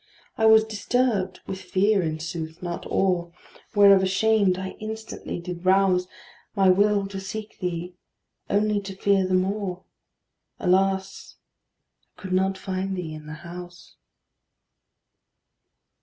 I was disturbed with fear, in sooth, not awe; Whereof ashamed, I instantly did rouse My will to seek thee only to fear the more: Alas! I could not find thee in the house.